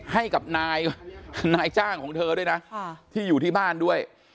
ให้กับนายจ้างของเธอด้วยนะที่อยู่ที่บ้านด้วย